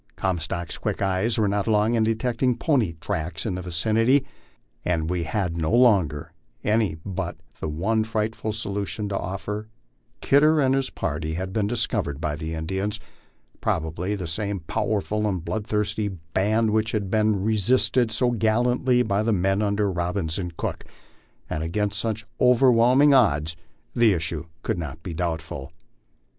Comstock's quick eyes were not long in detecting pony tracks in the vicinity, and we had no longer any but the one frightful solution to offer : Kidder and his party had been discovered by the Indians, probably the same powerful and bloodthirsty band which had been resisted so gallantly by the men under Rob bins and Cook ; and against such overwhelming odds the issue could not be doubtful.